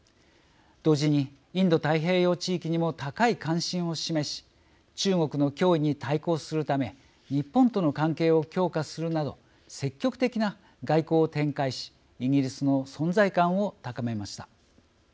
同時にインド太平洋地域にも高い関心を示し中国の脅威に対抗するため日本との関係を強化するなど積極的な外交を展開しイギリスの存在感を高めました。